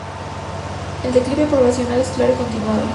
El declive poblacional es claro y continuado.